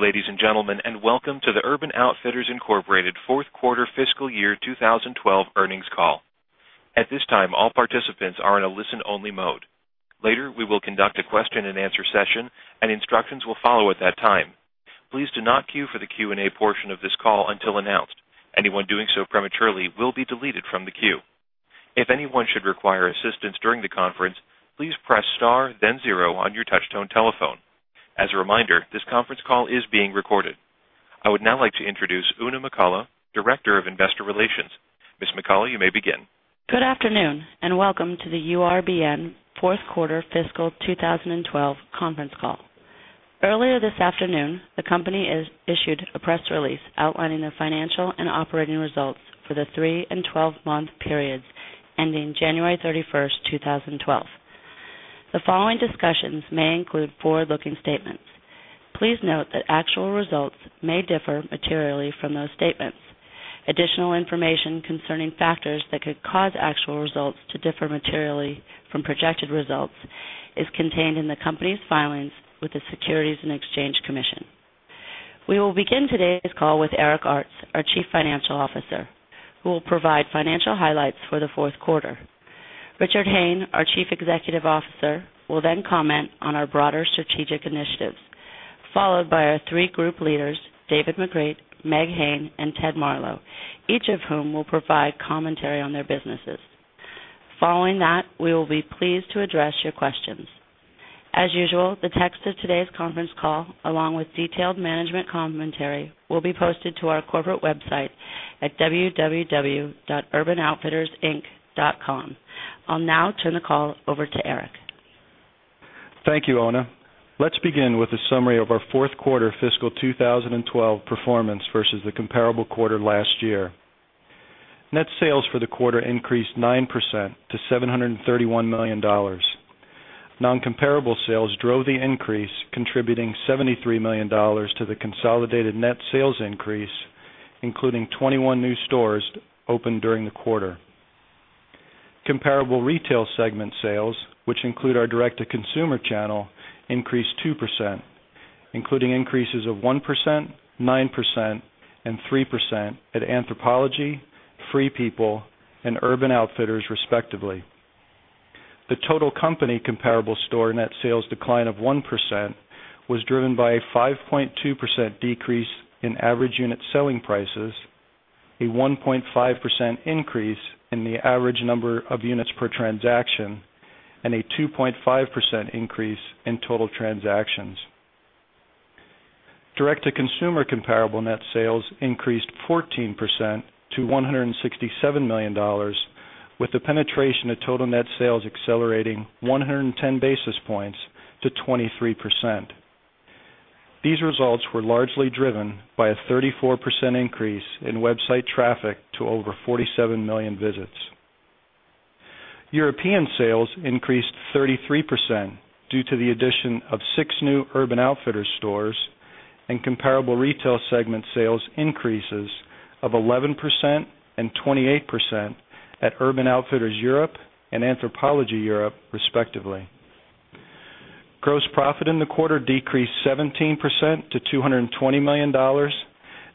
Ladies and gentlemen, welcome to the Urban Outfitters, Inc. Fourth Quarter Fiscal Year 2012 Earnings Call. At this time, all participants are in a listen-only mode. Later, we will conduct a question-and-answer session, and instructions will follow at that time. Please do not queue for the Q&A portion of this call until announced. Anyone doing so prematurely will be deleted from the queue. If anyone should require assistance during the conference, please press star, then zero on you touch-tone telephone. As a reminder, this conference call is being recorded. I would now like to introduce Oona McCullough, Director of Investor Relations. Ms. McCullough, you may begin. Good afternoon, and welcome to the URBN Fourth Quarter Fiscal 2012 Conference Call. Earlier this afternoon, the company issued a press release outlining the financial and operating results for the three and 12 month periods ending January 31st, 2012. The following discussions may include forward-looking statements. Please note that actual results may differ materially from those statements. Additional information concerning factors that could cause actual results to differ materially from projected results is contained in the company's filings with the Securities and Exchange Commission. We will begin today's call with Eric Artz, our Chief Financial Officer, who will provide financial highlights for the fourth quarter. Richard Hayne, our Chief Executive Officer, will then comment on our broader strategic initiatives, followed by our three group leaders: David McCreight, Meg Hayne, and Ted Marlow, each of whom will provide commentary on their businesses. Following that, we will be pleased to address your questions. As usual, the text of today's conference call, along with detailed management commentary, will be posted to our corporate website at www.urbanoutfittersinc.com. I'll now turn the call over to Eric. Thank you, Oona. Let's begin with a summary of our fourth quarter fiscal 2012 performance versus the comparable quarter last year. Net sales for the quarter increased 9% to $731 million. Non-comparable sales drove the increase, contributing $73 million to the consolidated net sales increase, including 21 new stores opened during the quarter. Comparable retail segment sales, which include our direct-to-consumer channel, increased 2%, including increases of 1%, 9%, and 3% at Anthropologie, Free People, and Urban Outfitters, respectively. The total company comparable store net sales decline of 1% was driven by a 5.2% decrease in average unit selling prices, a 1.5% increase in the average number of units per transaction, and a 2.5% increase in total transactions. Direct-to-consumer comparable net sales increased 14% to $167 million, with the penetration of total net sales accelerating 110 basis points to 23%. These results were largely driven by a 34% increase in website traffic to over 47 million visits. European sales increased 33% due to the addition of six new Urban Outfitters stores and comparable retail segment sales increases of 11% and 28% at Urban Outfitters Europe and Anthropologie Europe, respectively. Gross profit in the quarter decreased 17% to $220 million.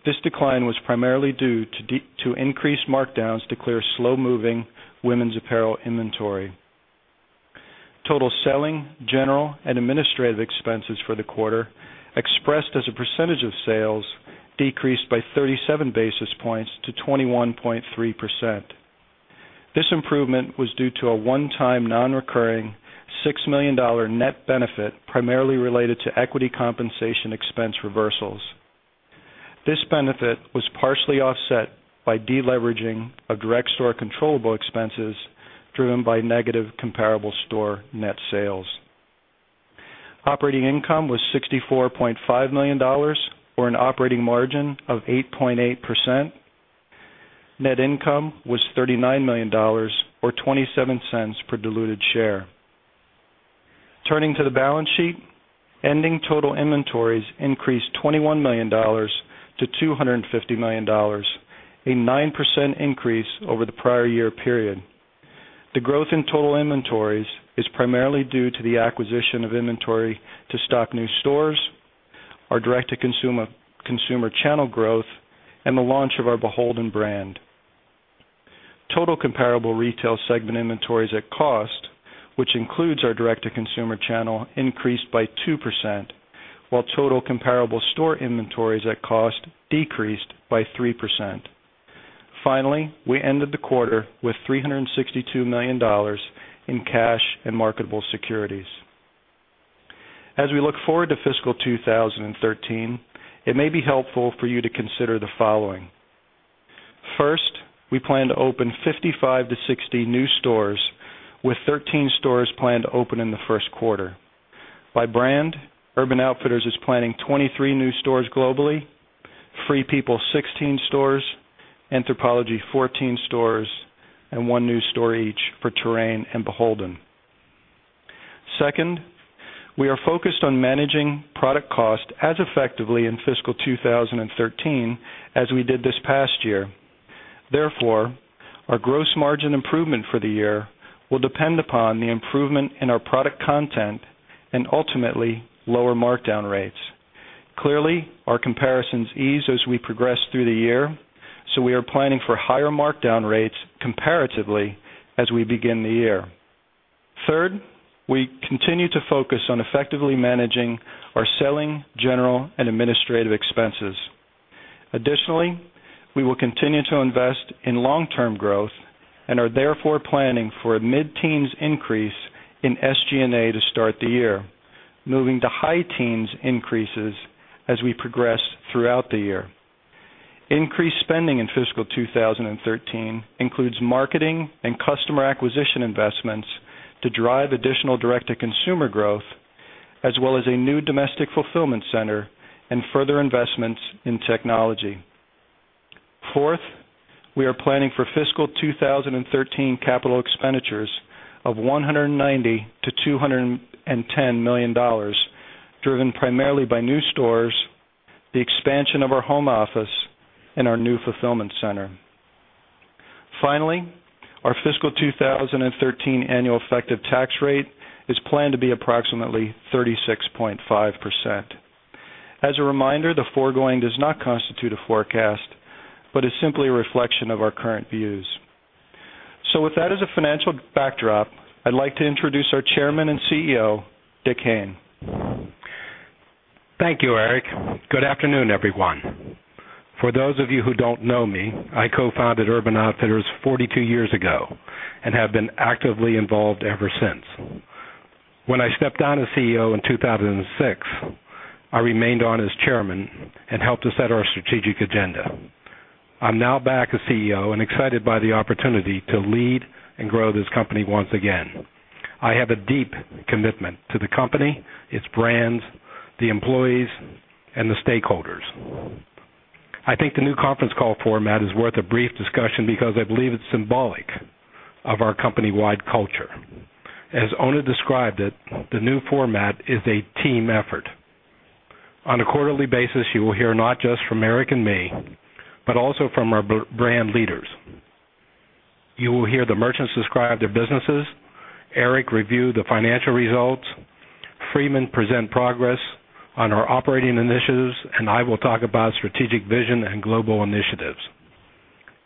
This decline was primarily due to increased markdowns to clear slow-moving women's apparel inventory. Total selling, general, and administrative expenses for the quarter, expressed as a percentage of sales, decreased by 37 basis points to 21.3%. This improvement was due to a one-time, non-recurring $6 million net benefit primarily related to equity compensation expense reversals. This benefit was partially offset by deleveraging of direct store controllable expenses driven by negative comparable store net sales. Operating income was $64.5 million, or an operating margin of 8.8%. Net income was $39 million, or $0.27 per diluted share. Turning to the balance sheet, ending total inventories increased $21 million to $250 million, a 9% increase over the prior year period. The growth in total inventories is primarily due to the acquisition of inventory to stock new stores, our direct-to-consumer channel growth, and the launch of our beholden brand. Total comparable retail segment inventories at cost, which includes our direct-to-consumer channel, increased by 2%, while total comparable store inventories at cost decreased by 3%. Finally, we ended the quarter with $362 million in cash and marketable securities. As we look forward to fiscal 2013, it may be helpful for you to consider the following. First, we plan to open 55-60 new stores, with 13 stores planned to open in the first quarter. By brand, Urban Outfitters is planning 23 new stores globally, Free People 16 stores, Anthropologie 14 stores, and one new store each for Terrain and Beholden. Second, we are focused on managing product cost as effectively in fiscal 2013 as we did this past year. Therefore, our gross margin improvement for the year will depend upon the improvement in our product content and ultimately lower markdown rates. Clearly, our comparisons ease as we progress through the year, so we are planning for higher markdown rates comparatively as we begin the year. Third, we continue to focus on effectively managing our selling, general, and administrative expenses. Additionally, we will continue to invest in long-term growth and are therefore planning for a mid-teens increase in SG&A to start the year, moving to high-teens increases as we progress throughout the year. Increased spending in fiscal 2013 includes marketing and customer acquisition investments to drive additional direct-to-consumer growth, as well as a new domestic fulfillment center and further investments in technology. Fourth, we are planning for fiscal 2013 capital expenditures of $190 million-$210 million, driven primarily by new stores, the expansion of our home office, and our new fulfillment center. Finally, our fiscal 2013 annual effective tax rate is planned to be approximately 36.5%. As a reminder, the foregoing does not constitute a forecast but is simply a reflection of our current views. With that as a financial backdrop, I'd like to introduce our Chairman and CEO, Rick Hayne. Thank you, Eric. Good afternoon, everyone. For those of you who don't know me, I co-founded Urban Outfitters 42 years ago and have been actively involved ever since. When I stepped down as CEO in 2006, I remained on as Chairman and helped to set our strategic agenda. I'm now back as CEO and excited by the opportunity to lead and grow this company once again. I have a deep commitment to the company, its brands, the employees, and the stakeholders. I think the new conference call format is worth a brief discussion because I believe it's symbolic of our company-wide culture. As Oona described it, the new format is a team effort. On a quarterly basis, you will hear not just from Eric and me, but also from our brand leaders. You will hear the merchants describe their businesses, Eric review the financial results, Freeman present progress on our operating initiatives, and I will talk about strategic vision and global initiatives.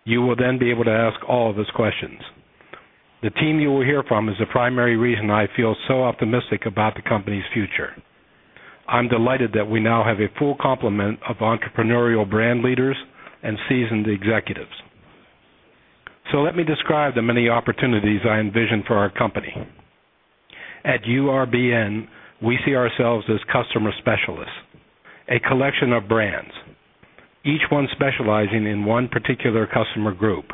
You will then be able to ask all of us questions. The team you will hear from is the primary reason I feel so optimistic about the company's future. I'm delighted that we now have a full complement of entrepreneurial brand leaders and seasoned executives. Let me describe the many opportunities I envision for our company. At URBN, we see ourselves as customer specialists, a collection of brands, each one specializing in one particular customer group,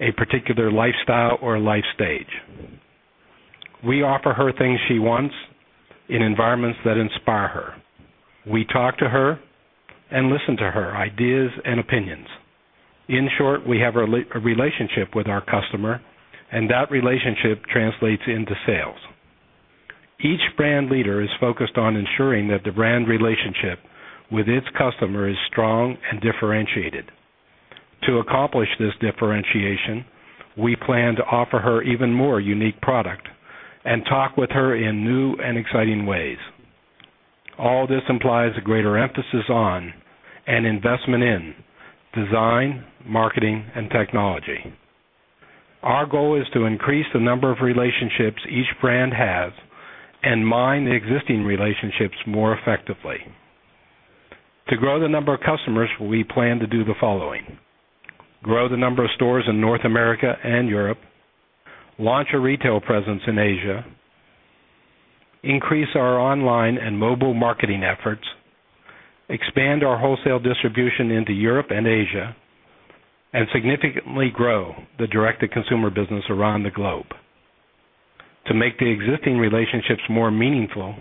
a particular lifestyle or life stage. We offer her things she wants in environments that inspire her. We talk to her and listen to her ideas and opinions. In short, we have a relationship with our customer, and that relationship translates into sales. Each brand leader is focused on ensuring that the brand relationship with its customer is strong and differentiated. To accomplish this differentiation, we plan to offer her even more unique product and talk with her in new and exciting ways. All this implies a greater emphasis on and investment in design, marketing, and technology. Our goal is to increase the number of relationships each brand has and mine the existing relationships more effectively. To grow the number of customers, we plan to do the following: grow the number of stores in North America and Europe, launch a retail presence in Asia, increase our online and mobile marketing efforts, expand our wholesale distribution into Europe and Asia, and significantly grow the direct-to-consumer business around the globe. To make the existing relationships more meaningful,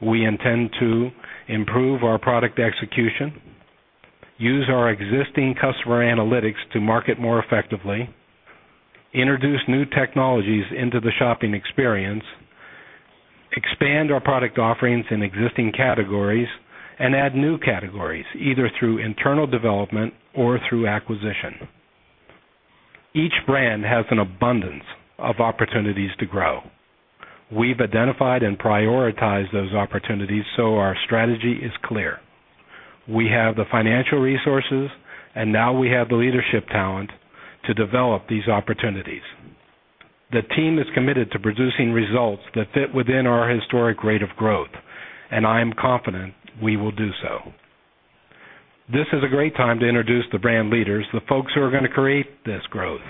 we intend to improve our product execution, use our existing customer analytics to market more effectively, introduce new technologies into the shopping experience, expand our product offerings in existing categories, and add new categories, either through internal development or through acquisition. Each brand has an abundance of opportunities to grow. We've identified and prioritized those opportunities so our strategy is clear. We have the financial resources, and now we have the leadership talent to develop these opportunities. The team is committed to producing results that fit within our historic rate of growth, and I am confident we will do so. This is a great time to introduce the brand leaders, the folks who are going to create this growth.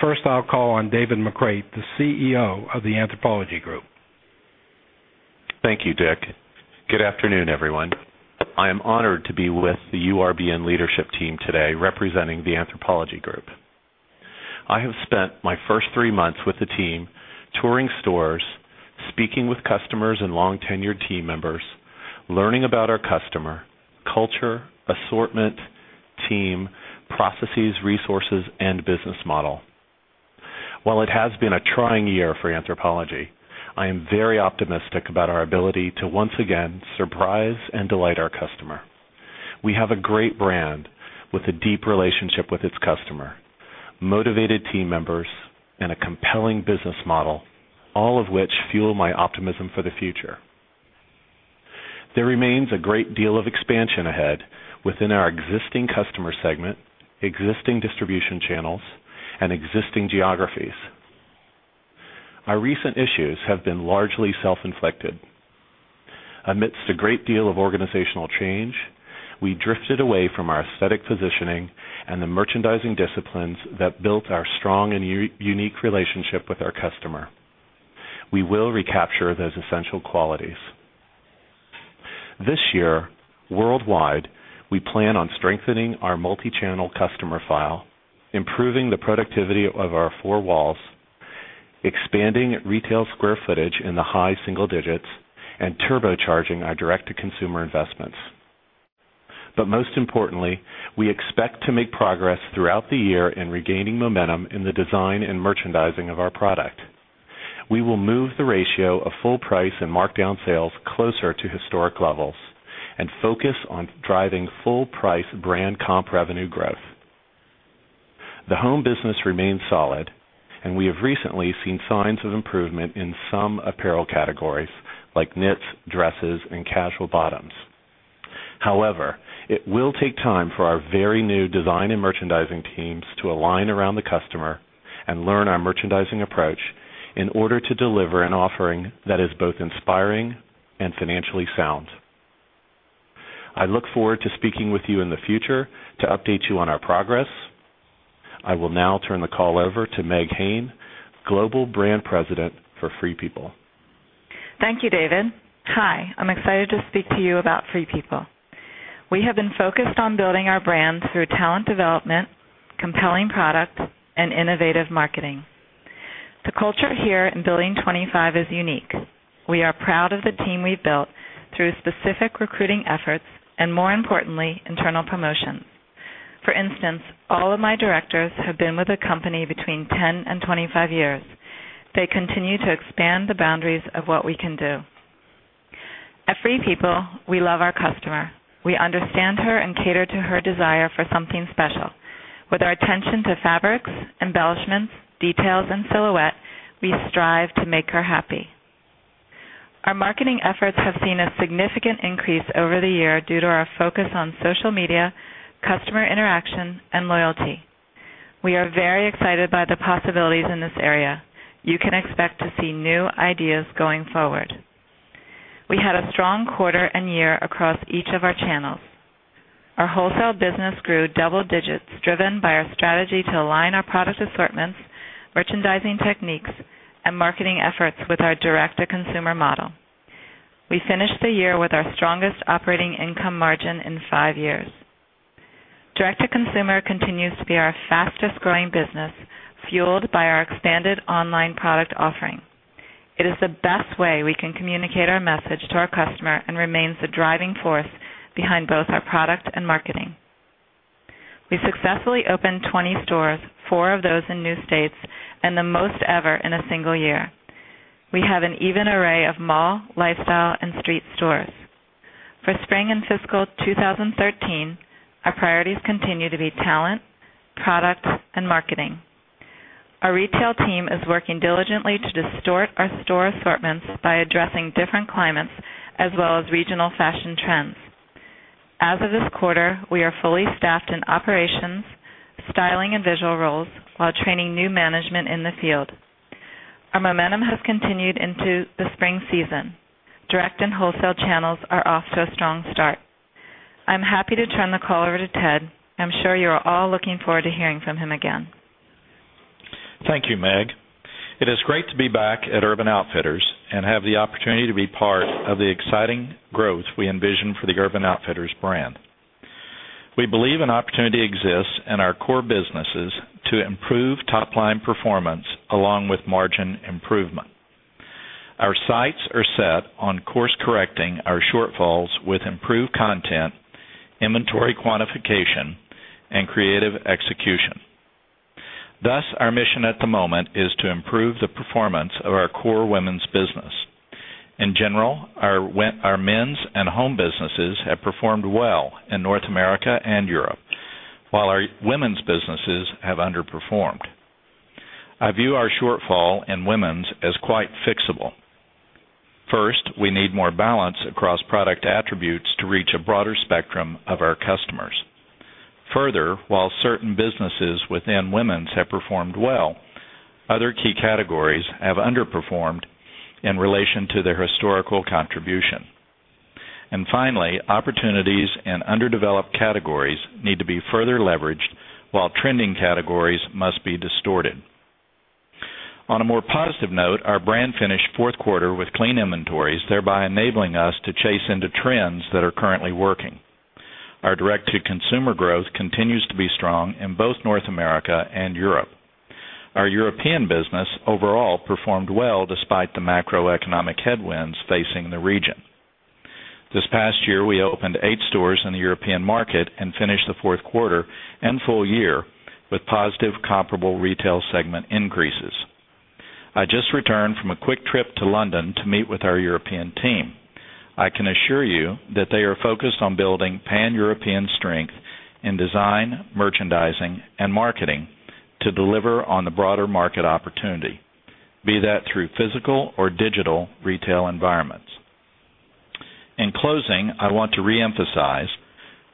First, I'll call on David McCreight, the CEO of the Anthropologie Group. Thank you, Rick. Good afternoon, everyone. I am honored to be with the URBN leadership team today, representing the Anthropologie Group. I have spent my first three months with the team touring stores, speaking with customers and long-tenured team members, learning about our customer culture, assortment, team, processes, resources, and business model. While it has been a trying year for Anthropologie, I am very optimistic about our ability to once again surprise and delight our customer. We have a great brand with a deep relationship with its customer, motivated team members, and a compelling business model, all of which fuel my optimism for the future. There remains a great deal of expansion ahead within our existing customer segment, existing distribution channels, and existing geographies. Our recent issues have been largely self-inflicted. Amidst a great deal of organizational change, we drifted away from our aesthetic positioning and the merchandising discipline that built our strong and unique relationship with our customer. We will recapture those essential qualities. This year, worldwide, we plan on strengthening our multi-channel customer file, improving the productivity of our four walls, expanding retail square footage in the high single digits, and turbocharging our direct-to-consumer investments. Most importantly, we expect to make progress throughout the year in regaining momentum in the design and merchandising of our product. We will move the ratio of full price and markdown sales closer to historic levels and focus on driving full-price brand comp revenue growth. The home business remains solid, and we have recently seen signs of improvement in some apparel categories, like knits, dresses, and casual bottoms. However, it will take time for our very new design and merchandising teams to align around the customer and learn our merchandising approach in order to deliver an offering that is both inspiring and financially sound. I look forward to speaking with you in the future to update you on our progress. I will now turn the call over to Meg Hayne, Global Brand President for Free People. Thank you, David. Hi, I'm excited to speak to you about Free People. We have been focused on building our brand through talent development, compelling product, and innovative marketing. The culture here in Building 25 is unique. We are proud of the team we've built through specific recruiting efforts and, more importantly, internal promotions. For instance, all of my directors have been with the company between 10 and 25 years. They continue to expand the boundaries of what we can do. At Free People, we love our customer. We understand her and cater to her desire for something special. With our attention to fabrics, embellishments, details, and silhouette, we strive to make her happy. Our marketing efforts have seen a significant increase over the year due to our focus on social media, customer interaction, and loyalty. We are very excited by the possibilities in this area. You can expect to see new ideas going forward. We had a strong quarter and year across each of our channels. Our wholesale business grew double digits, driven by our strategy to align our product assortments, merchandising techniques, and marketing efforts with our direct-to-consumer model. We finished the year with our strongest operating income margin in five years. Direct-to-consumer continues to be our fastest-growing business, fueled by our expanded online product offering. It is the best way we can communicate our message to our customer and remains the driving force behind both our product and marketing. We successfully opened 20 stores, four of those in new states, and the most ever in a single year. We have an even array of mall, lifestyle, and street stores. For spring and fiscal 2013, our priorities continue to be talent, product, and marketing. Our retail team is working diligently to distort our store assortments by addressing different climates, as well as regional fashion trends. As of this quarter, we are fully staffed in operations, styling, and visual roles, while training new management in the field. Our momentum has continued into the spring season. Direct and wholesale channels are off to a strong start. I'm happy to turn the call over to Ted. I'm sure you're all looking forward to hearing from him again. Thank you, Meg. It is great to be back at Urban Outfitters and have the opportunity to be part of the exciting growth we envision for the Urban Outfitters brand. We believe an opportunity exists in our core businesses to improve top-line performance along with margin improvement. Our sights are set on course-correcting our shortfalls with improved content, inventory quantification, and creative execution. Thus, our mission at the moment is to improve the performance of our core women's business. In general, our men's and home businesses have performed well in North America and Europe, while our women's businesses have underperformed. I view our shortfall in women's as quite fixable. First, we need more balance across product attributes to reach a broader spectrum of our customers. Further, while certain businesses within women's have performed well, other key categories have underperformed in relation to their historical contribution. Finally, opportunities in underdeveloped categories need to be further leveraged, while trending categories must be distorted. On a more positive note, our brand finished fourth quarter with clean inventories, thereby enabling us to chase into trends that are currently working. Our direct-to-consumer growth continues to be strong in both North America and Europe. Our European business overall performed well despite the macroeconomic headwinds facing the region. This past year, we opened eight stores in the European market and finished the fourth quarter and full year with positive comparable retail segment increases. I just returned from a quick trip to London to meet with our European team. I can assure you that they are focused on building pan-European strength in design, merchandising, and marketing to deliver on the broader market opportunity, be that through physical or digital retail environments. In closing, I want to reemphasize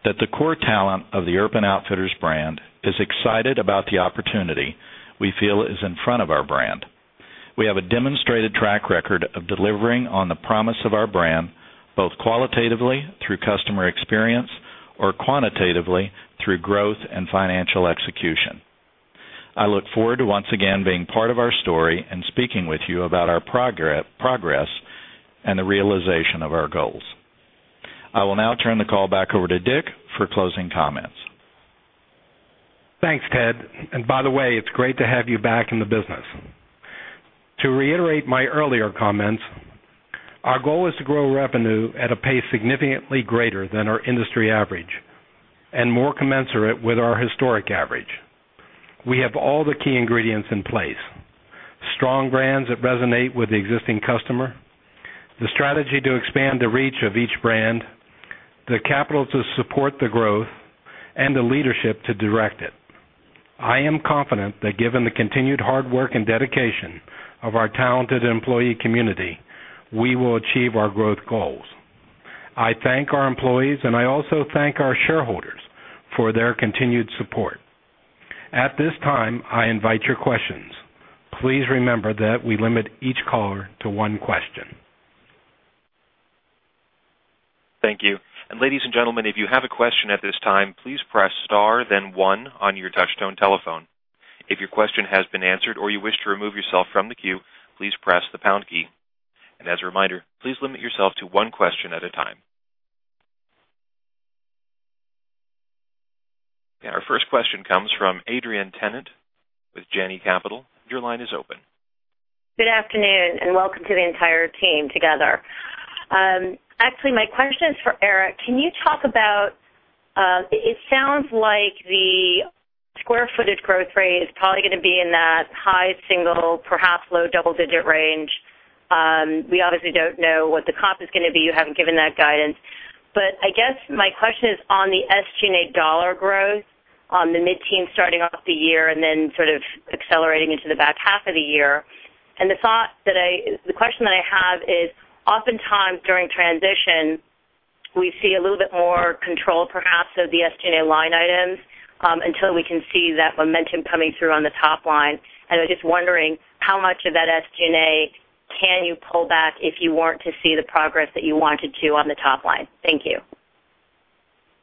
that the core talent of the Urban Outfitters brand is excited about the opportunity we feel is in front of our brand. We have a demonstrated track record of delivering on the promise of our brand, both qualitatively through customer experience or quantitatively through growth and financial execution. I look forward to once again being part of our story and speaking with you about our progress and the realization of our goals. I will now turn the call back over to Rick for closing comments. Thanks, Ted. By the way, it's great to have you back in the business. To reiterate my earlier comments, our goal is to grow revenue at a pace significantly greater than our industry average and more commensurate with our historic average. We have all the key ingredients in place: strong brands that resonate with the existing customer, the strategy to expand the reach of each brand, the capital to support the growth, and the leadership to direct it. I am confident that given the continued hard work and dedication of our talented employee community, we will achieve our growth goals. I thank our employees, and I also thank our shareholders for their continued support. At this time, I invite your questions. Please remember that we limit each caller to one question. Thank you. Ladies and gentlemen, if you have a question at this time, please press star, then one on your touch-tone telephone. If your question has been answered or you wish to remove yourself from the queue, please press the pound key. As a reminder, please limit yourself to one question at a time. Our first question comes from Adrienne Tennant with Janney Capital. Your line is open. Good afternoon, and welcome to the entire team together. Actually, my question is for Eric. Can you talk about, it sounds like the square footage growth rate is probably going to be in that high single, perhaps low double-digit range. We obviously don't know what the comp is going to be. You haven't given that guidance. I guess my question is on the SG&A dollar growth on the mid-teens starting off the year and then sort of accelerating into the back half of the year. The thought that I, the question that I have is, oftentimes during transition, we see a little bit more control, perhaps, of the SG&A line items until we can see that momentum coming through on the top line. I'm just wondering how much of that SG&A can you pull back if you weren't to see the progress that you wanted to on the top line. Thank you.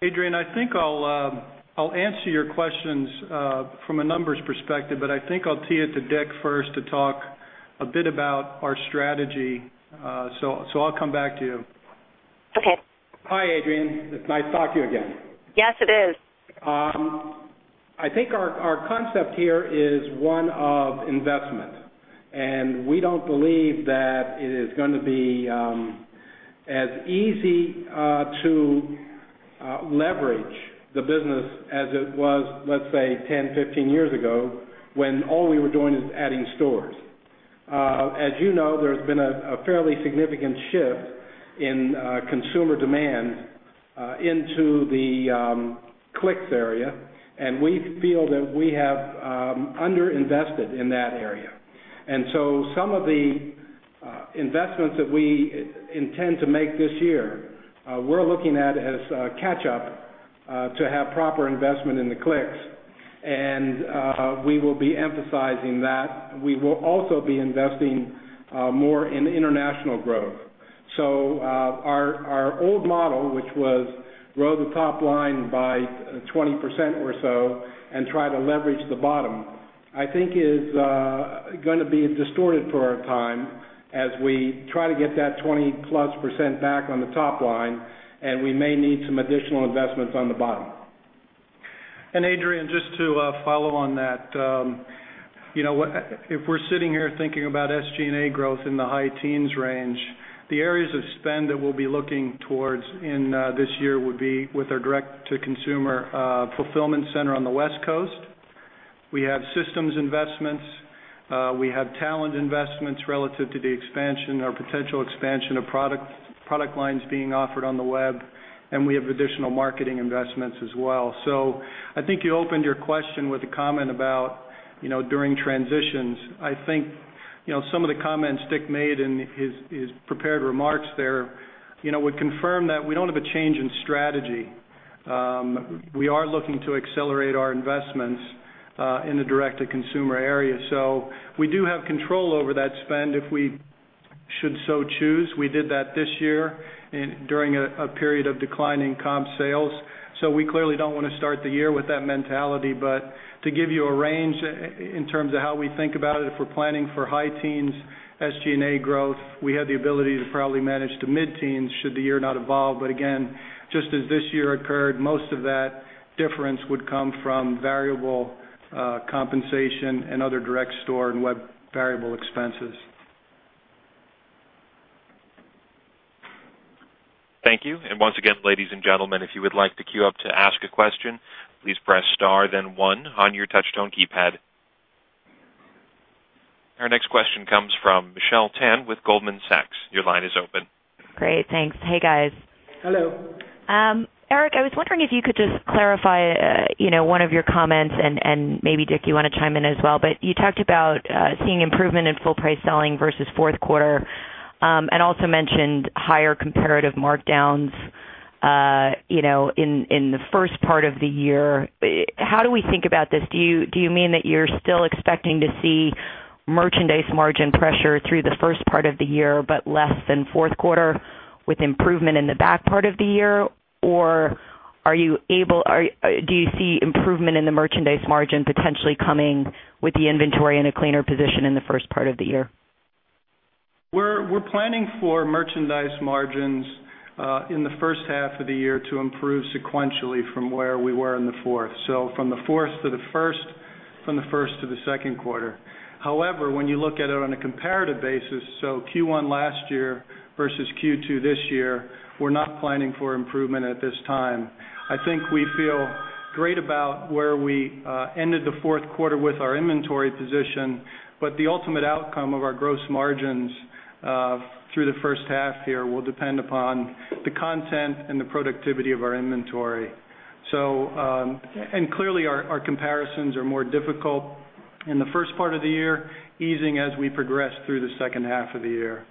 Adrian, I think I'll answer your questions from a numbers perspective, but I think I'll tee it to Rick first to talk a bit about our strategy. I'll come back to you. Okay. Hi, Adrian. It's nice to talk to you again. Yes, it is. I think our concept here is one of investment. We don't believe that it is going to be as easy to leverage the business as it was, let's say, 10, 15 years ago when all we were doing is adding stores. As you know, there's been a fairly significant shift in consumer demand into the clicks area. We feel that we have underinvested in that area. Some of the investments that we intend to make this year, we're looking at as catch-up to have proper investment in the clicks. We will be emphasizing that we will also be investing more in international growth. Our old model, which was grow the top line by 20% or so and try to leverage the bottom, I think is going to be distorted for our time as we try to get that 20%+ back on the top line. We may need some additional investments on the bottom. Adrienne, just to follow on that, if we're sitting here thinking about SG&A growth in the high teens range, the areas of spend that we'll be looking towards this year would be with our direct-to-consumer fulfillment center on the West Coast. We have systems investments, we have talent investments relative to the expansion or potential expansion of products, product lines being offered on the web, and we have additional marketing investments as well. I think you opened your question with a comment about during transitions. I think some of the comments Rick made in his prepared remarks there would confirm that we don't have a change in strategy. We are looking to accelerate our investments in the direct-to-consumer area. We do have control over that spend if we should so choose. We did that this year during a period of declining comp sales. We clearly don't want to start the year with that mentality. To give you a range in terms of how we think about it, if we're planning for high teens SG&A growth, we have the ability to probably manage the mid-teens should the year not evolve. Again, just as this year occurred, most of that difference would come from variable compensation and other direct store and web variable expenses. Thank you. Once again, ladies and gentlemen, if you would like to queue up to ask a question, please press star, then one on your touch-tone keypad. Our next question comes from Michelle Tan with Goldman Sachs. Your line is open. Great, thanks. Hey guys. Hello. Eric, I was wondering if you could just clarify one of your comments, and maybe Rick, you want to chime in as well. You talked about seeing improvement in full-price selling versus fourth quarter, and also mentioned higher comparative markdowns in the first part of the year. How do we think about this? Do you mean that you're still expecting to see merchandise margin pressure through the first part of the year, but less than fourth quarter with improvement in the back part of the year? Or do you see improvement in the merchandise margin potentially coming with the inventory in a cleaner position in the first part of the year? We're planning for merchandise margins in the first half of the year to improve sequentially from where we were in the fourth, so from the fourth to the first, from the first to the second quarter. However, when you look at it on a comparative basis, so Q1 last year versus Q2 this year, we're not planning for improvement at this time. I think we feel great about where we ended the fourth quarter with our inventory position. The ultimate outcome of our gross margins through the first half here will depend upon the content and the productivity of our inventory. Clearly, our comparisons are more difficult in the first part of the year, easing as we progress through the second half of the year.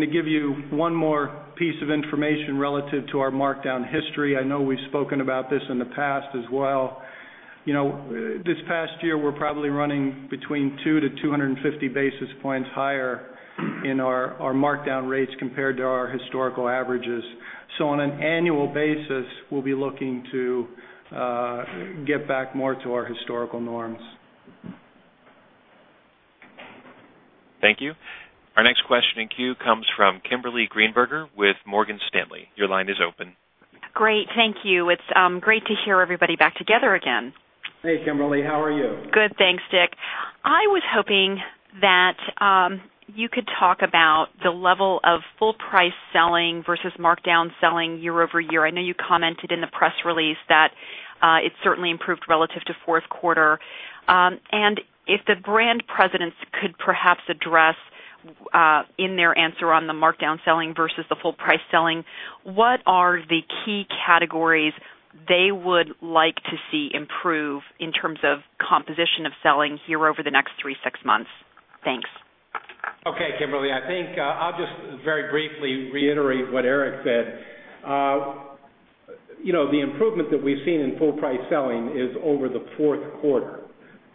To give you one more piece of information relative to our markdown history, I know we've spoken about this in the past as well. You know, this past year, we're probably running between 2-250 basis points higher in our markdown rates compared to our historical averages. On an annual basis, we'll be looking to get back more to our historical norms. Thank you. Our next question in queue comes from Kimberly Greenberg with Morgan Stanley. Your line is open. Great, thank you. It's great to hear everybody back together again. Hey, Kimberly. How are you? Good, thanks, Rick. I was hoping that you could talk about the level of full-price selling versus markdown selling year over year. I know you commented in the press release that it certainly improved relative to fourth quarter. If the Brand Presidents could perhaps address in their answer on the markdown selling versus the full-price selling, what are the key categories they would like to see improve in terms of composition of selling here over the next three to six months? Thanks. Okay, Kimberly. I think I'll just very briefly reiterate what Eric said. The improvement that we've seen in full-price selling is over the fourth quarter.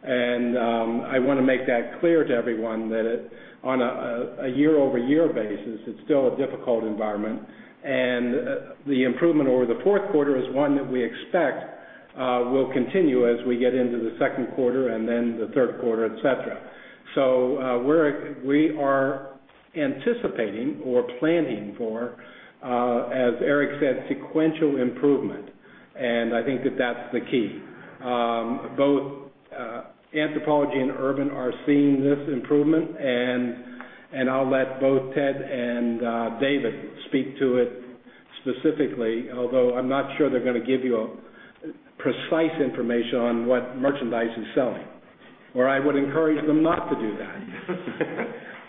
I want to make that clear to everyone that on a year-over-year basis, it's still a difficult environment. The improvement over the fourth quarter is one that we expect will continue as we get into the second quarter and then the third quarter, etc. We are anticipating or planning for, as Eric said, sequential improvement. I think that that's the key. Both Anthropologie and Urban are seeing this improvement. I'll let both Ted and David speak to it specifically, although I'm not sure they're going to give you precise information on what merchandise is selling. I would encourage them not to do that.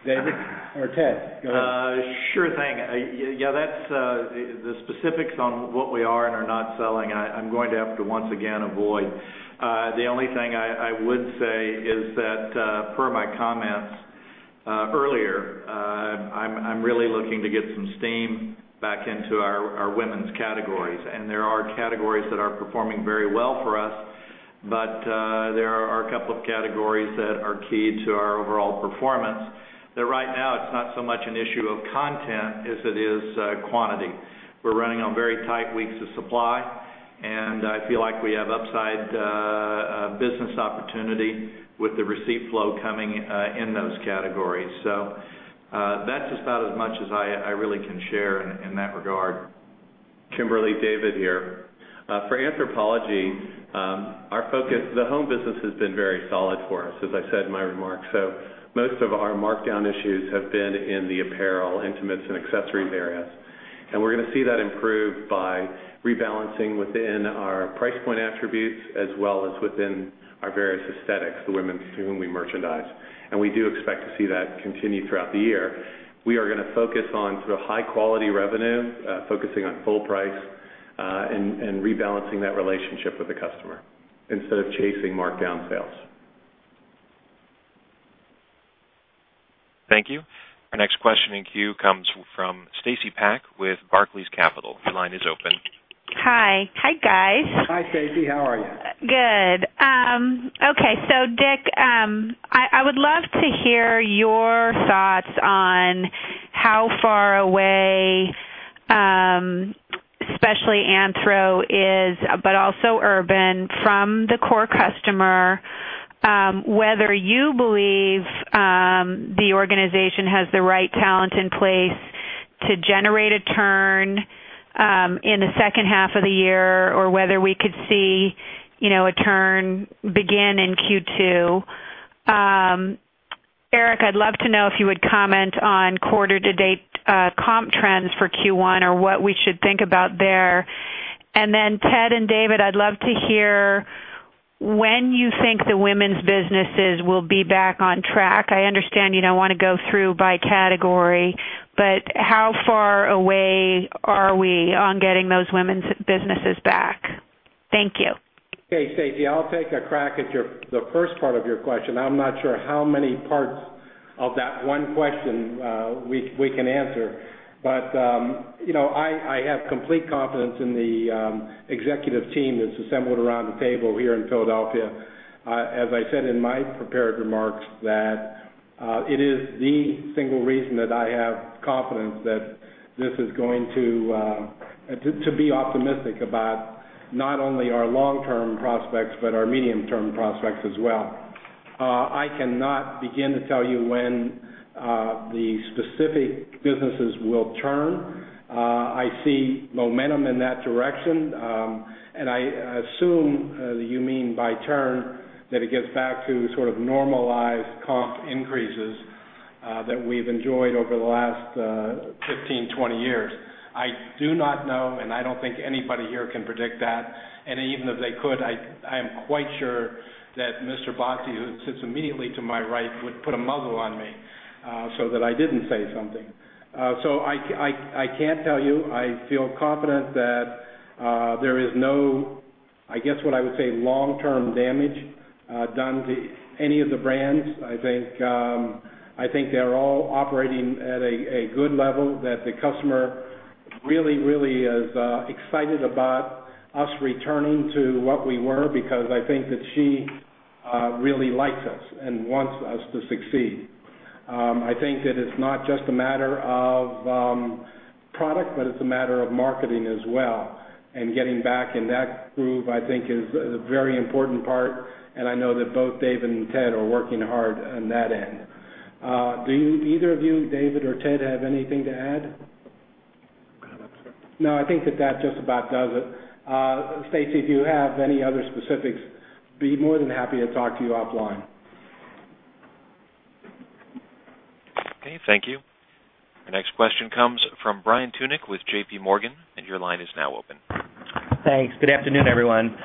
David or Ted, go ahead. Sure thing. Yeah, the specifics on what we are and are not selling, I'm going to have to once again avoid. The only thing I would say is that, per my comments earlier, I'm really looking to get some steam back into our women's categories. There are categories that are performing very well for us, but there are a couple of categories that are key to our overall performance. Right now, it's not so much an issue of content as it is quantity. We're running on very tight weeks of supply, and I feel like we have upside business opportunity with the receipt flow coming in those categories. That's just about as much as I really can share in that regard. Kimberly, David here. For Anthropologie, our focus, the home business has been very solid for us, as I said in my remarks. Most of our markdown issues have been in the apparel, intimates, and accessories areas, and we're going to see that improve by rebalancing within our price point attributes as well as within our various aesthetics, the women's whom we merchandise. We do expect to see that continue throughout the year. We are going to focus on sort of high-quality revenue, focusing on full price, and rebalancing that relationship with the customer instead of chasing markdown sales. Thank you. Our next question in queue comes from Stacy Pack with Barclays Capital. Her line is open. Hi. Hi, guys. Hi Stacy. How are you? Good. Okay. Rick, I would love to hear your thoughts on how far away, especially Anthro is, but also Urban from the core customer, whether you believe the organization has the right talent in place to generate a turn in the second half of the year or whether we could see a turn begin in Q2. Eric, I'd love to know if you would comment on quarter-to-date comp trends for Q1 or what we should think about there. Then Ted and David, I'd love to hear when you think the women's businesses will be back on track. I understand you don't want to go through by category, but how far away are we on getting those women's businesses back? Thank you. Hey Stacy, I'll take a crack at the first part of your question. I'm not sure how many parts of that one question we can answer. I have complete confidence in the executive team that's assembled around the table here in Philadelphia. As I said in my prepared remarks, it is the single reason that I have confidence that this is going to be optimistic about not only our long-term prospects, but our medium-term prospects as well. I cannot begin to tell you when the specific businesses will turn. I see momentum in that direction, and I assume that you mean by turn that it gets back to sort of normalized comp increases that we've enjoyed over the last 15, 20 years. I do not know, and I don't think anybody here can predict that. Even if they could, I am quite sure that Mr. Boss, who sits immediately to my right, would put a muggle on me so that I didn't say something. I can't tell you. I feel confident that there is no, I guess what I would say, long-term damage done to any of the brands. I think they're all operating at a good level, that the customer really, really is excited about us returning to what we were because I think that she really likes us and wants us to succeed. I think that it's not just a matter of product, but it's a matter of marketing as well. Getting back in that groove, I think, is a very important part. I know that both David and Ted are working hard on that end. Do either of you, David or Ted, have anything to add? No, that's it. No, I think that just about does it. Stacy, if you have any other specifics, be more than happy to talk to you offline. Okay, thank you. Our next question comes from Brian Tunick with J.P. Morgan, and your line is now open. Thanks. Good afternoon, everyone.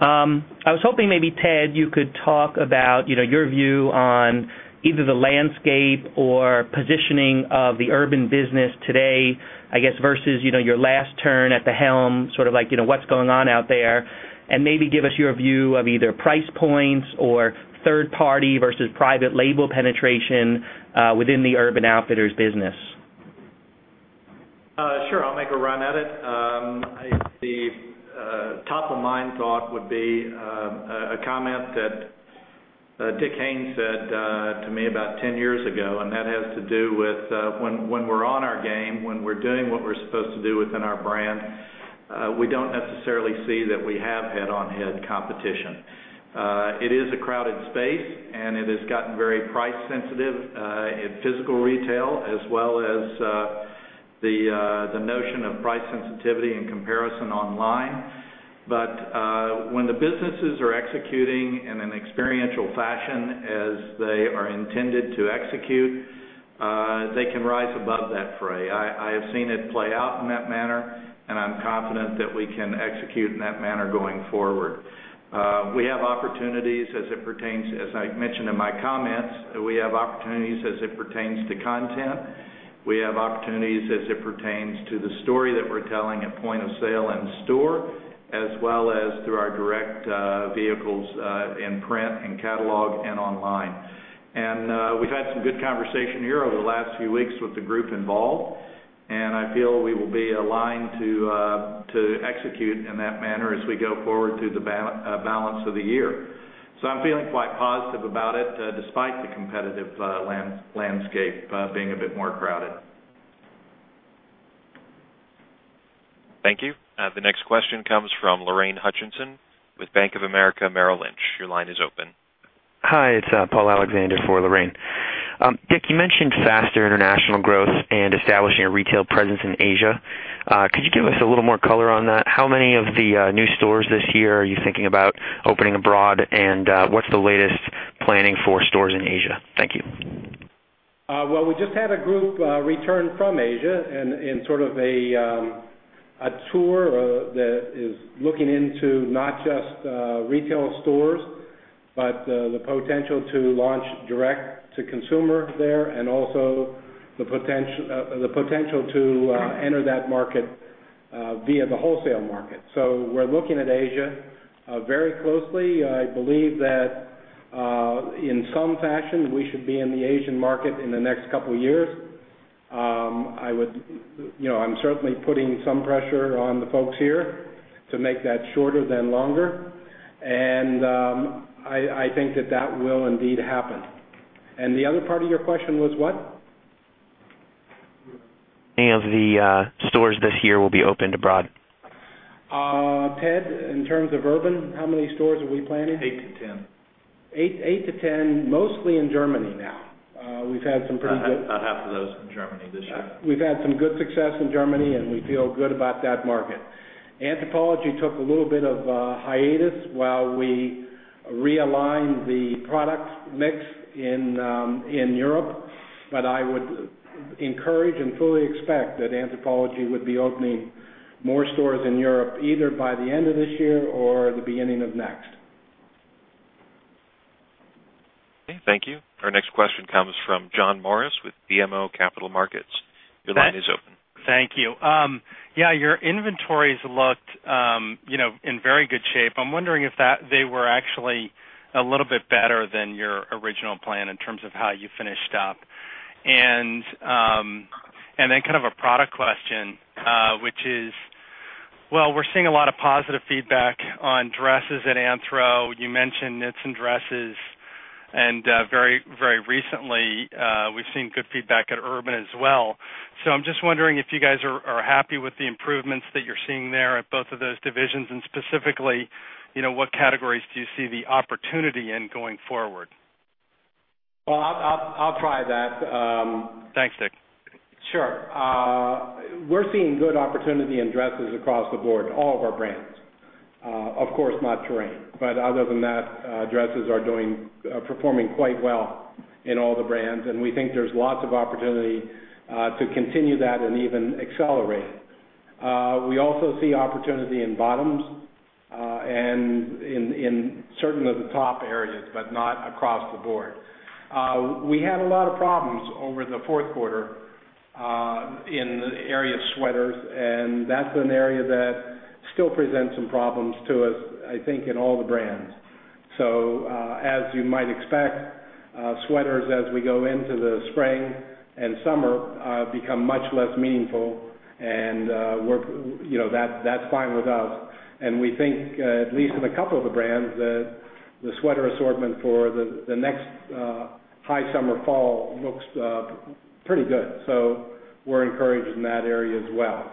I was hoping maybe, Ted, you could talk about your view on either the landscape or positioning of the Urban business today, I guess, versus your last turn at the helm, sort of like what's going on out there. Maybe give us your view of either price points or third-party versus private label penetration within the Urban Outfitters business. Sure, I'll make a run at it. The top-of-mind thought would be a comment that Rick said to me about 10 years ago, and that has to do with when we're on our game, when we're doing what we're supposed to do within our brand, we don't necessarily see that we have head-on-head competition. It is a crowded space, and it has gotten very price sensitive in physical retail as well as the notion of price sensitivity and comparison online. When the businesses are executing in an experiential fashion as they are intended to execute, they can rise above that fray. I have seen it play out in that manner, and I'm confident that we can execute in that manner going forward. We have opportunities as it pertains, as I mentioned in my comments, we have opportunities as it pertains to content. We have opportunities as it pertains to the story that we're telling at point of sale and store, as well as through our direct vehicles, in print and catalog and online. We've had some good conversation here over the last few weeks with the group involved. I feel we will be aligned to execute in that manner as we go forward to the balance of the year. I'm feeling quite positive about it, despite the competitive landscape being a bit more crowded. Thank you. The next question comes from Lorraine Hutchinson with Bank of America Merrill Lynch. Your line is open. Hi, it's Paul Alexander for Lorraine. Rick, you mentioned faster international growth and establishing a retail presence in Asia. Could you give us a little more color on that? How many of the new stores this year are you thinking about opening abroad, and what's the latest planning for stores in Asia? Thank you. We just had a group return from Asia in sort of a tour that is looking into not just retail stores, but the potential to launch direct-to-consumer there and also the potential to enter that market via the wholesale market. We're looking at Asia very closely. I believe that, in some fashion, we should be in the Asian market in the next couple of years. I'm certainly putting some pressure on the folks here to make that shorter rather than longer. I think that will indeed happen. The other part of your question was what? Any of the stores this year will be opened abroad? Ted, in terms of Urban, how many stores are we planning? Eight to 10. Eight, eight to 10, mostly in Germany now. We've had some pretty good. About half of those in Germany this year. We've had some good success in Germany, and we feel good about that market. Anthropologie took a little bit of a hiatus while we realigned the product mix in Europe. I would encourage and fully expect that Anthropologie would be opening more stores in Europe either by the end of this year or the beginning of next. Okay, thank you. Our next question comes from John Morris with BMO Capital Markets. Your line is open. Thank you. Yeah, your inventories looked, you know, in very good shape. I'm wondering if they were actually a little bit better than your original plan in terms of how you finished up. Then kind of a product question, which is, we're seeing a lot of positive feedback on dresses at Anthro. You mentioned knits and dresses. Very, very recently, we've seen good feedback at Urban as well. I'm just wondering if you guys are happy with the improvements that you're seeing there at both of those divisions and specifically, you know, what categories do you see the opportunity in going forward? I'll try that. Thanks, Rick. Sure. We're seeing good opportunity in dresses across the board, all of our brands. Of course, not Terrain. Other than that, dresses are performing quite well in all the brands. We think there's lots of opportunity to continue that and even accelerate. We also see opportunity in bottoms, and in certain of the top areas, but not across the board. We had a lot of problems over the fourth quarter in the area of sweaters, and that's an area that still presents some problems to us, I think, in all the brands. As you might expect, sweaters, as we go into the spring and summer, become much less meaningful. We're, you know, that's fine with us. We think, at least in a couple of the brands, that the sweater assortment for the next high summer-fall looks pretty good. We're encouraged in that area as well.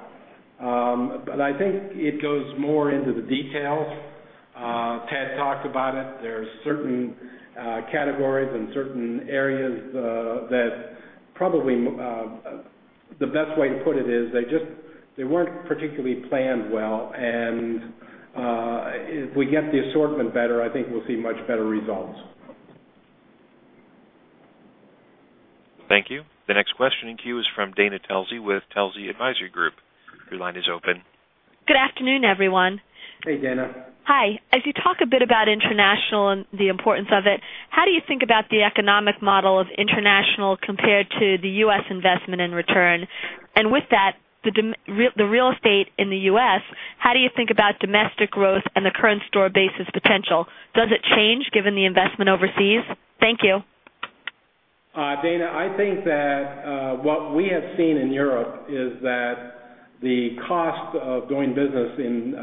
I think it goes more into the details. Ted talked about it. There are certain categories and certain areas that probably, the best way to put it is they just weren't particularly planned well. If we get the assortment better, I think we'll see much better results. Thank you. The next question in queue is from Dana Telsey with Telsey Advisory Group. Your line is open. Good afternoon, everyone. Hey, Dana. Hi. As you talk a bit about international and the importance of it, how do you think about the economic model of international compared to the U.S. investment and return? With that, the real estate in the U.S., how do you think about domestic growth and the current store basis potential? Does it change given the investment overseas? Thank you. Dana, I think that what we have seen in Europe is that the cost of doing business in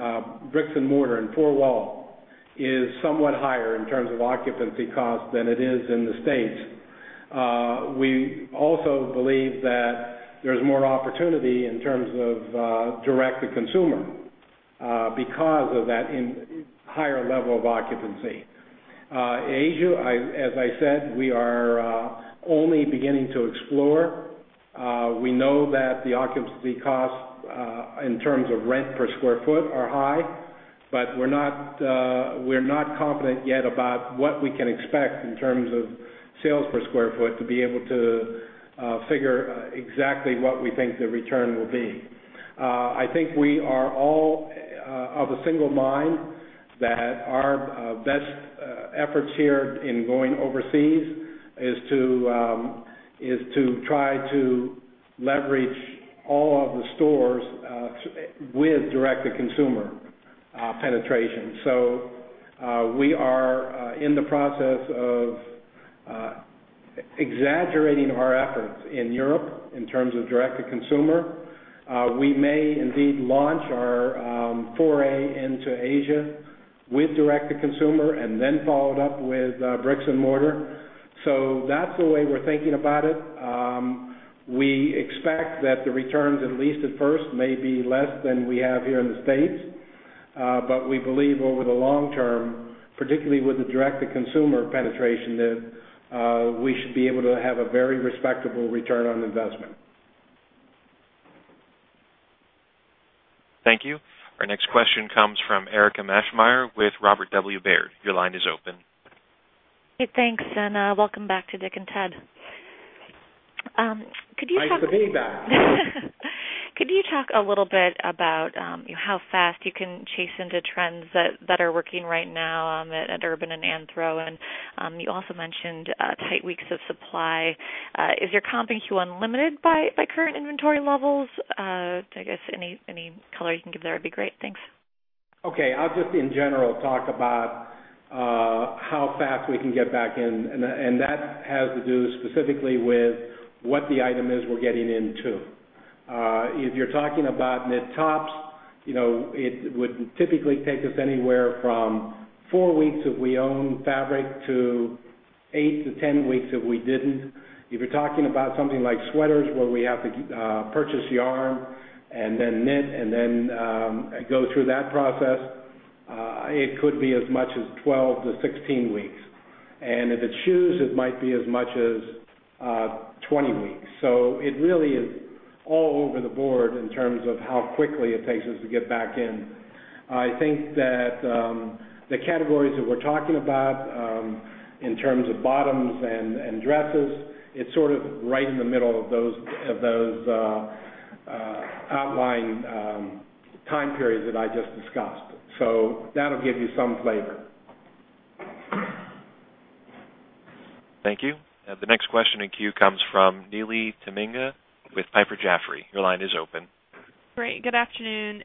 bricks and mortar and four wall is somewhat higher in terms of occupancy cost than it is in the States. We also believe that there's more opportunity in terms of direct-to-consumer because of that and higher level of occupancy. Asia, as I said, we are only beginning to explore. We know that the occupancy costs in terms of rent per square foot are high, but we're not confident yet about what we can expect in terms of sales per square foot to be able to figure exactly what we think the return will be. I think we are all of a single mind that our best efforts here in going overseas is to try to leverage all of the stores with direct-to-consumer penetration. We are in the process of exaggerating our efforts in Europe in terms of direct-to-consumer. We may indeed launch our foray into Asia with direct-to-consumer and then follow it up with bricks and mortar. That's the way we're thinking about it. We expect that the returns, at least at first, may be less than we have here in the States. We believe over the long term, particularly with the direct-to-consumer penetration, that we should be able to have a very respectable return on investment. Thank you. Our next question comes from Erica Meschmeyer with Robert W. Baird. Your line is open. Hey, thanks. Welcome back to Rick and Ted. Could you talk? Nice to be back. Could you talk a little bit about how fast you can chase into trends that are working right now at Urban and Anthro? You also mentioned tight weeks of supply. Is your comping too unlimited by current inventory levels? I guess any color you can give there would be great. Thanks. Okay. I'll just, in general, talk about how fast we can get back in. That has to do specifically with what the item is we're getting into. If you're talking about knit tops, it would typically take us anywhere from four weeks if we own fabric to eight to 10 weeks if we didn't. If you're talking about something like sweaters where we have to purchase yarn and then knit and then go through that process, it could be as much as 12-16 weeks. If it's shoes, it might be as much as 20 weeks. It really is all over the board in terms of how quickly it takes us to get back in. I think that the categories that we're talking about, in terms of bottoms and dresses, it's sort of right in the middle of those outlined time periods that I just discussed. That'll give you some flavor. Thank you. The next question in queue comes from Neely Tamminga with Piper Jaffray. Your line is open. Great. Good afternoon.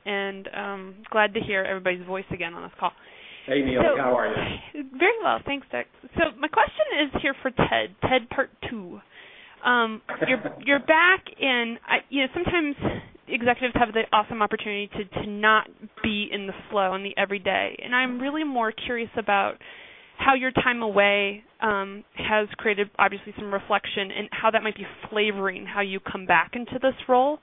Glad to hear everybody's voice again on this call. Hey, Neely. How are you? Thank you, Rick. My question is for Ted, Ted Part Two. You're back in, and sometimes executives have the awesome opportunity to not be in the flow in the every day. I'm really more curious about how your time away has created, obviously, some reflection and how that might be flavoring how you come back into this role.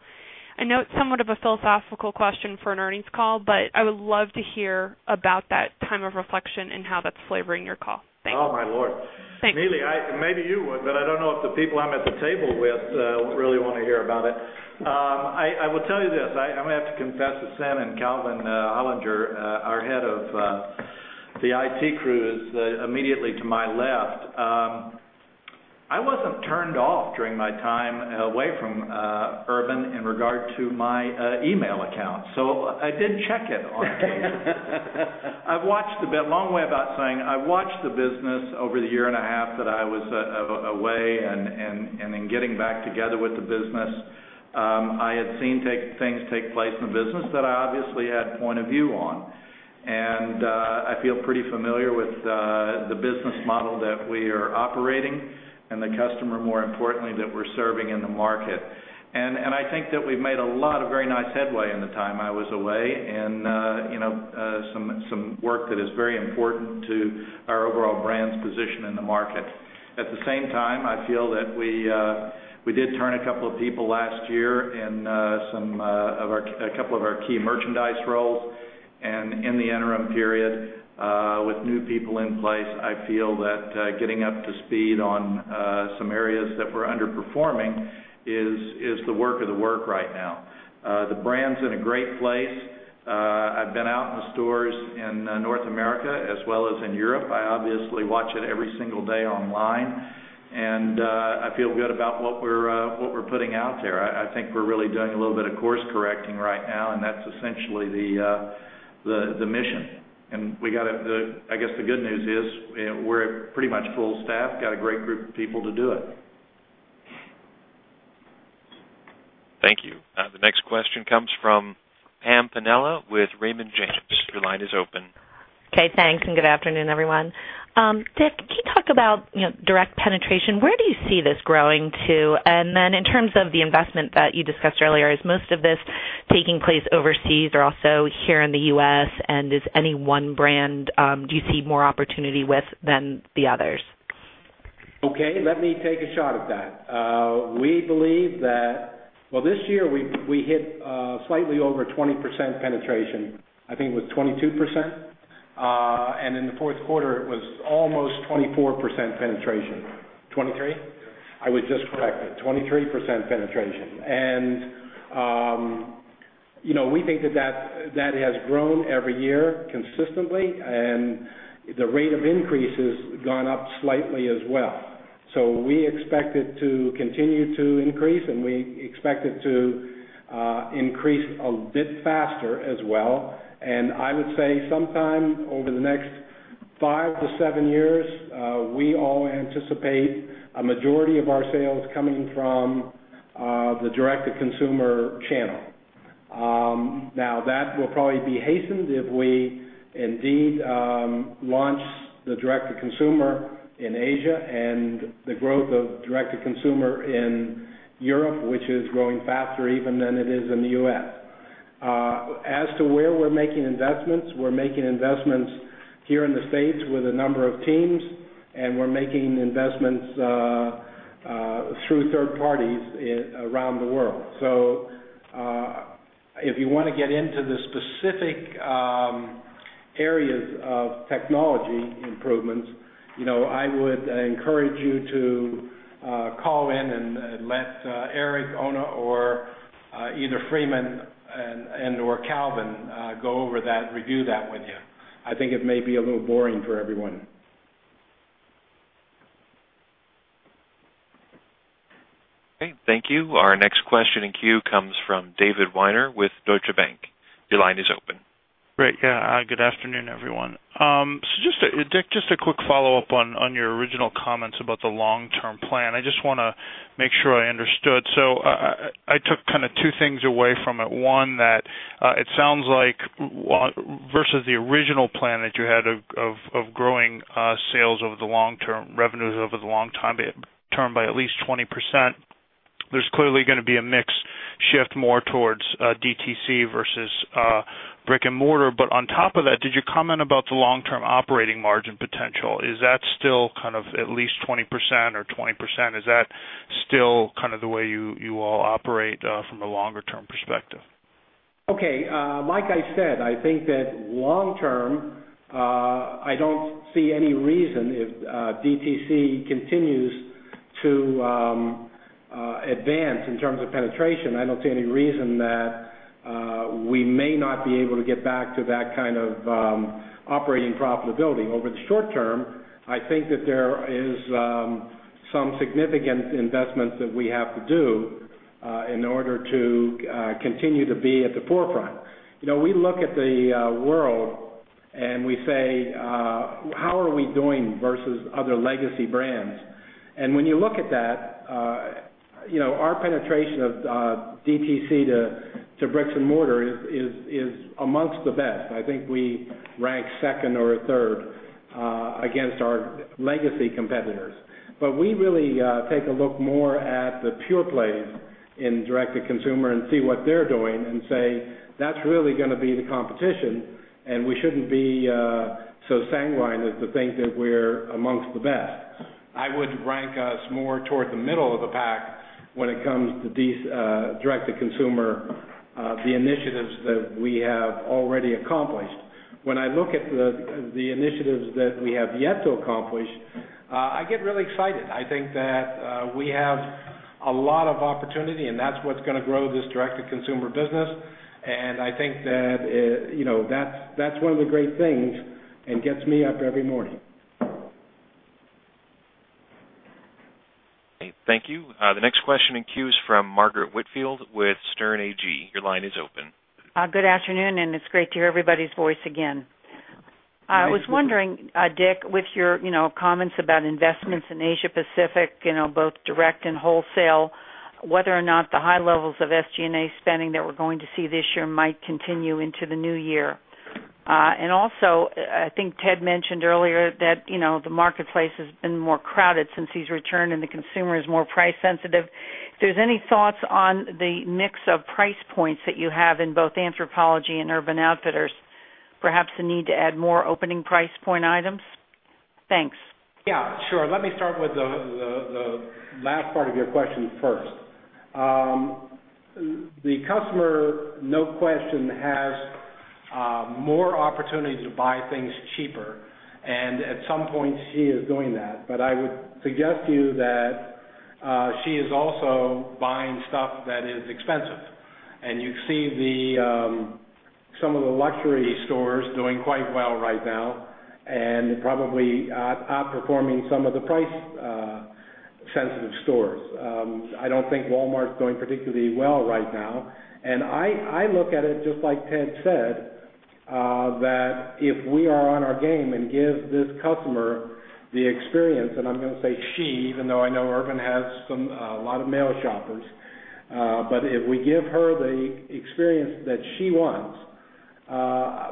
I know it's somewhat of a philosophical question for an earnings call, but I would love to hear about that time of reflection and how that's flavoring your call. Thanks. Oh, my Lord. Thanks. Neely, maybe you would, but I don't know if the people I'm at the table with really want to hear about it. I will tell you this. I'm going to have to confess to Sam and Calvin Hollinger, our Head of the IT crew is immediately to my left. I wasn't turned off during my time away from Urban Outfitters in regard to my email account, so I did check it on occasion. I've watched the business over the year and a half that I was away, and in getting back together with the business, I had seen things take place in the business that I obviously had a point of view on. I feel pretty familiar with the business model that we are operating and the customer, more importantly, that we're serving in the market. I think that we've made a lot of very nice headway in the time I was away in some work that is very important to our overall brand's position in the market. At the same time, I feel that we did turn a couple of people last year in some of our key merchandise roles. In the interim period, with new people in place, I feel that getting up to speed on some areas that were underperforming is the work of the work right now. The brand's in a great place. I've been out in the stores in North America as well as in Europe. I obviously watch it every single day online, and I feel good about what we're putting out there. I think we're really doing a little bit of course-correcting right now, and that's essentially the mission. The good news is, we're pretty much full staff, got a great group of people to do it. Thank you. The next question comes from Sam Panella with Raymond James. Your line is open. Okay, thanks. Good afternoon, everyone. Rick, can you talk about, you know, direct-to-consumer penetration? Where do you see this growing to? In terms of the investment that you discussed earlier, is most of this taking place overseas or also here in the U.S.? Is any one brand, do you see more opportunity with than the others? Okay, let me take a shot at that. We believe that this year we hit slightly over 20% penetration. I think it was 22%, and in the fourth quarter, it was almost 24% penetration. 23%? I was just corrected. 23% penetration. We think that has grown every year consistently, and the rate of increase has gone up slightly as well. We expect it to continue to increase, and we expect it to increase a bit faster as well. I would say sometime over the next five to seven years, we all anticipate a majority of our sales coming from the direct-to-consumer channel. That will probably be hastened if we indeed launch the direct-to-consumer in Asia and the growth of direct-to-consumer in Europe, which is growing faster even than it is in the U.S. As to where we're making investments, we're making investments here in the States with a number of teams, and we're making investments through third parties around the world. If you want to get into the specific areas of technology improvements, I would encourage you to call in and let Eric, Oona, or either Freeman and/or Calvin go over that, review that with you. I think it may be a little boring for everyone. Okay, thank you. Our next question in queue comes from David Weiner with Deutsche Bank. Your line is open. Great. Good afternoon, everyone. Rick, just a quick follow-up on your original comments about the long-term plan. I just want to make sure I understood. I took kind of two things away from it. One, it sounds like, versus the original plan that you had of growing sales over the long term, revenues over the long term by at least 20%. There's clearly going to be a mix shift more towards DTC versus brick and mortar. On top of that, did you comment about the long-term operating margin potential? Is that still kind of at least 20% or 20%? Is that still kind of the way you all operate from a longer-term perspective? Okay. Like I said, I think that long term, I don't see any reason if DTC continues to advance in terms of penetration. I don't see any reason that we may not be able to get back to that kind of operating profitability. Over the short term, I think that there are some significant investments that we have to do in order to continue to be at the forefront. You know, we look at the world and we say, how are we doing versus other legacy brands? When you look at that, our penetration of DTC to bricks and mortar is amongst the best. I think we rank second or third against our legacy competitors. We really take a look more at the pure plays in direct-to-consumer and see what they're doing and say, that's really going to be the competition. We shouldn't be so sanguine as to think that we're amongst the best. I would rank us more toward the middle of the pack when it comes to these direct-to-consumer initiatives that we have already accomplished. When I look at the initiatives that we have yet to accomplish, I get really excited. I think that we have a lot of opportunity, and that's what's going to grow this direct-to-consumer business. I think that, you know, that's one of the great things and gets me up every morning. Okay, thank you. The next question in queue is from Margaret Whitfield with Sterne Agee. Your line is open. Good afternoon, and it's great to hear everybody's voice again. I was wondering, Rick, with your comments about investments in Asia Pacific, both direct and wholesale, whether or not the high levels of SG&A spending that we're going to see this year might continue into the new year. I think Ted mentioned earlier that the marketplace has been more crowded since he's returned and the consumer is more price sensitive. If there's any thoughts on the mix of price points that you have in both Anthropologie and Urban Outfitters, perhaps the need to add more opening price point items. Thanks. Yeah, sure. Let me start with the last part of your question first. The customer, no question, has more opportunity to buy things cheaper. At some points, she is doing that. I would suggest to you that she is also buying stuff that is expensive. You see some of the luxury stores doing quite well right now and probably outperforming some of the price-sensitive stores. I don't think Walmart's doing particularly well right now. I look at it just like Ted said, that if we are on our game and give this customer the experience, and I'm going to say she, even though I know Urban Outfitters has a lot of male shoppers, if we give her the experience that she wants,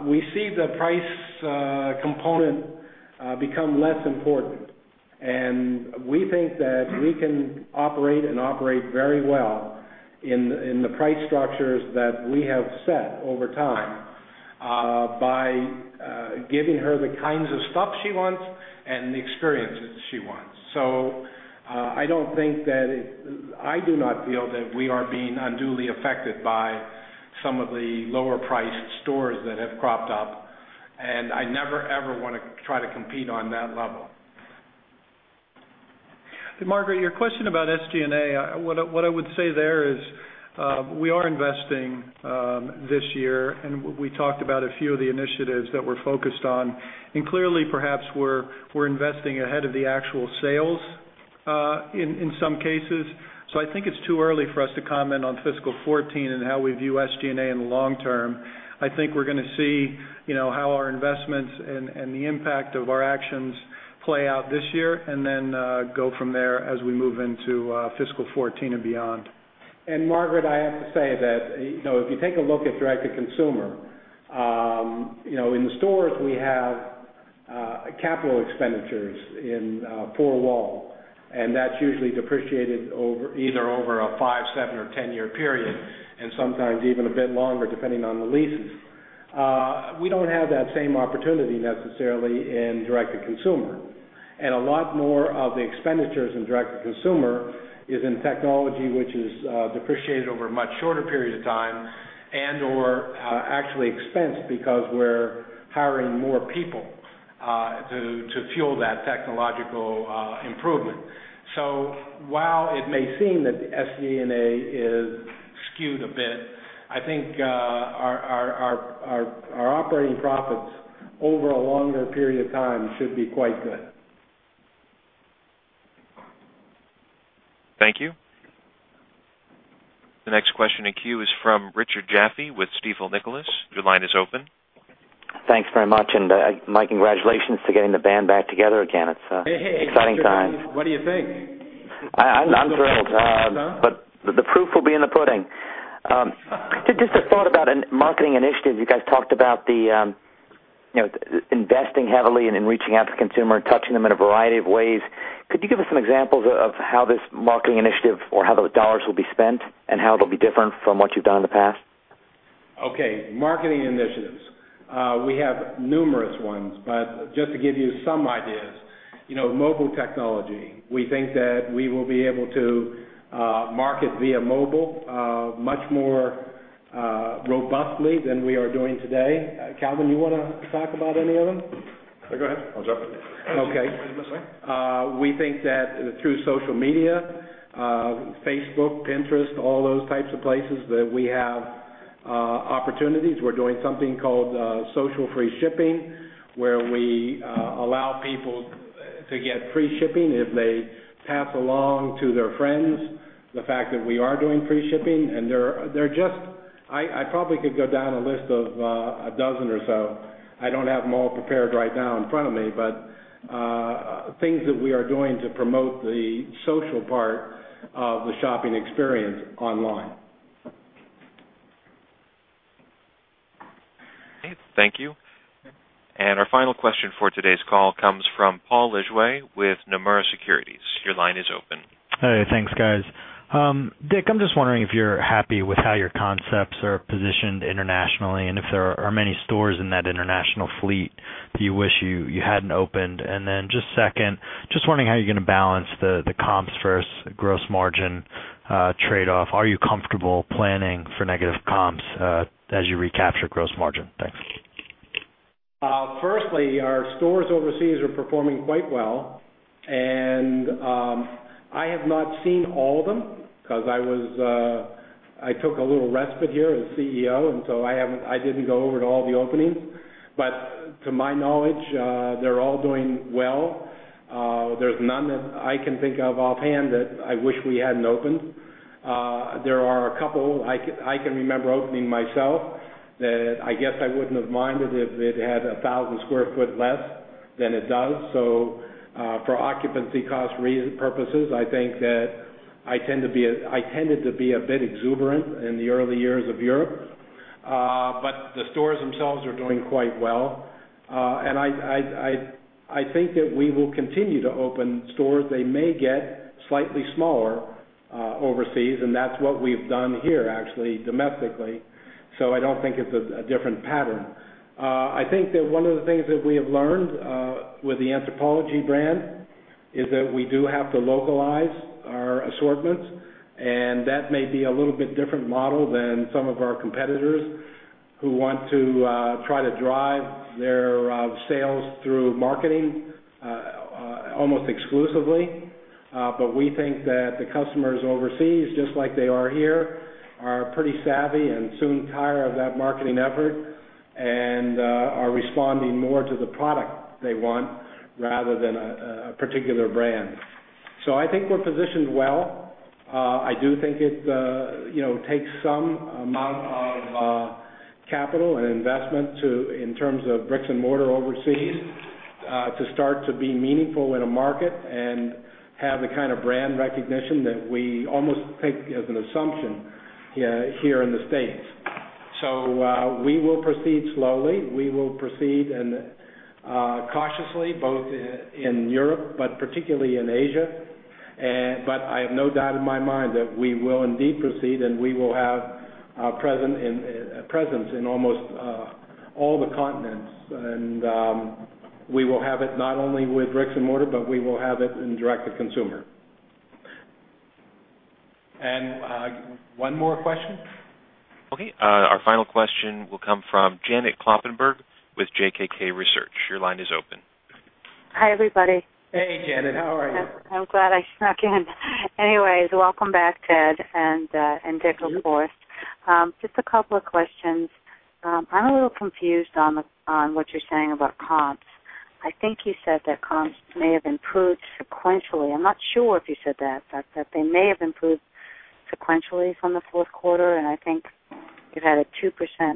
we see the price component become less important. We think that we can operate and operate very well in the price structures that we have set over time by giving her the kinds of stuff she wants and the experiences she wants. I don't think that it, I do not feel that we are being unduly affected by some of the lower-priced stores that have cropped up. I never, ever want to try to compete on that level. Margaret, your question about SG&A, what I would say there is, we are investing this year, and we talked about a few of the initiatives that we're focused on. Clearly, perhaps we're investing ahead of the actual sales in some cases. I think it's too early for us to comment on fiscal 2014 and how we view SG&A in the long term. I think we're going to see how our investments and the impact of our actions play out this year and then go from there as we move into fiscal 2014 and beyond. Margaret, I have to say that if you take a look at direct-to-consumer, you know, in the stores, we have capital expenditures in four wall, and that's usually depreciated over either a five, seven, or ten-year period, and sometimes even a bit longer, depending on the leases. We don't have that same opportunity necessarily in direct-to-consumer. A lot more of the expenditures in direct-to-consumer is in technology, which is depreciated over a much shorter period of time and/or actually expensed because we're hiring more people to fuel that technological improvement. While it may seem that SG&A is skewed a bit, I think our operating profits over a longer period of time should be quite good. Thank you. The next question in queue is from Richard Jaffe with Stifel Nicolaus. Your line is open. Thanks very much. My congratulations to getting the band back together again. It's an exciting time. Hey, hey, hey. What do you think? I'm thrilled. I'm thrilled. The proof will be in the pudding. Just a thought about a marketing initiative. You guys talked about investing heavily in reaching out to the consumer and touching them in a variety of ways. Could you give us some examples of how this marketing initiative or how the dollars will be spent and how they'll be different from what you've done in the past? Okay. Marketing initiatives. We have numerous ones, but just to give you some ideas, you know, mobile technology. We think that we will be able to market via mobile much more robustly than we are doing today. Calvin, you want to talk about any of them? Oh, go ahead. I'll jump in. Okay. What did you want to say? We think that through social media, Facebook, Pinterest, all those types of places, we have opportunities. We're doing something called social free shipping, where we allow people to get free shipping if they pass along to their friends the fact that we are doing free shipping. There are just, I probably could go down a list of a dozen or so. I don't have them all prepared right now in front of me, but things that we are doing to promote the social part of the shopping experience online. Okay, thank you. Our final question for today's call comes from Paul Lejuez with Nomura Securities. Your line is open. Hey, thanks, guys. Rick, I'm just wondering if you're happy with how your concepts are positioned internationally and if there are many stores in that international fleet you wish you hadn't opened. Just second, just wondering how you're going to balance the comps versus gross margin trade-off. Are you comfortable planning for negative comps, as you recapture gross margin? Thanks. Firstly, our stores overseas are performing quite well. I have not seen all of them because I took a little respite here as CEO, and so I haven't, I didn't go over to all the openings. To my knowledge, they're all doing well. There's none that I can think of offhand that I wish we hadn't opened. There are a couple I can remember opening myself that I guess I wouldn't have minded if it had 1,000 sq ft less than it does. For occupancy cost purposes, I think that I tended to be a bit exuberant in the early years of Europe. The stores themselves are doing quite well. I think that we will continue to open stores. They may get slightly smaller overseas, and that's what we've done here, actually, domestically. I don't think it's a different pattern. One of the things that we have learned with the Anthropologie brand is that we do have to localize our assortments. That may be a little bit different model than some of our competitors who want to try to drive their sales through marketing, almost exclusively. We think that the customers overseas, just like they are here, are pretty savvy and soon tired of that marketing effort and are responding more to the product they want rather than a particular brand. I think we're positioned well. I do think it takes some amount of capital and investment, in terms of bricks and mortar overseas, to start to be meaningful in a market and have the kind of brand recognition that we almost take as an assumption here in the States. We will proceed slowly. We will proceed cautiously, both in Europe, but particularly in Asia. I have no doubt in my mind that we will indeed proceed and we will have presence in almost all the continents. We will have it not only with bricks and mortar, but we will have it in direct-to-consumer. One more question. Okay. Our final question will come from Janet Kloppenburg with JKK Research. Your line is open. Hi, everybody. Hey, Janet. How are you? I'm glad I snuck in. Anyways, welcome back, Ted, and Rick, of course. Just a couple of questions. I'm a little confused on what you're saying about comps. I think you said that comps may have improved sequentially. I'm not sure if you said that, but that they may have improved sequentially from the fourth quarter. I think you had a 2%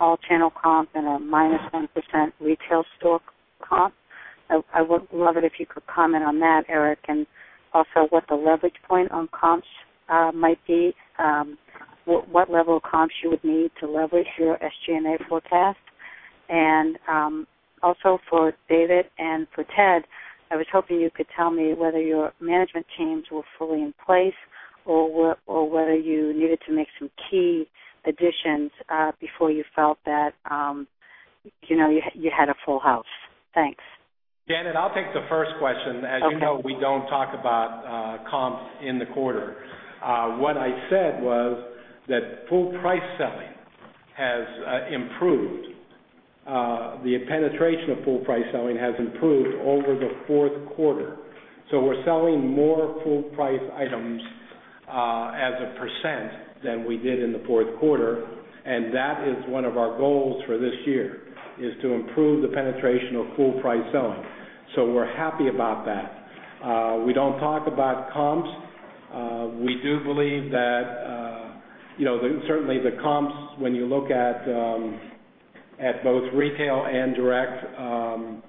all channel comp and a -1% retail store comp. I would love it if you could comment on that, Eric, and also what the leverage point on comps might be. What level of comps you would need to leverage your SG&A forecast. Also, for David and for Ted, I was hoping you could tell me whether your management teams were fully in place or whether you needed to make some key additions before you felt that you had a full house. Thanks. Janet, I'll take the first question. Okay. As you know, we don't talk about comps in the quarter. What I said was that full price selling has improved. The penetration of full price selling has improved over the fourth quarter. We're selling more full price items as a percent than we did in the fourth quarter. That is one of our goals for this year, to improve the penetration of full price selling. We're happy about that. We don't talk about comps. We do believe that, you know, certainly the comps, when you look at both retail and direct—well,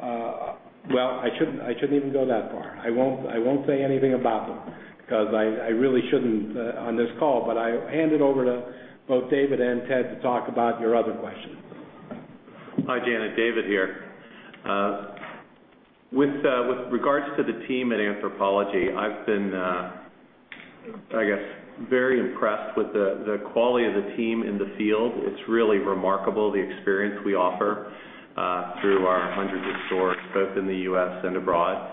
I shouldn't even go that far. I won't say anything about them because I really shouldn't on this call. I hand it over to both David and Ted to talk about your other questions. Hi, Janet. David here. With regards to the team at Anthropologie, I've been very impressed with the quality of the team in the field. It's really remarkable, the experience we offer through our hundreds of stores, both in the U.S. and abroad.